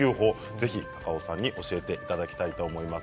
ぜひ高尾さんに教えていただきます。